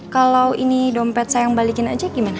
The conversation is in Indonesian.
kalau ini dompet sayang balikin aja gimana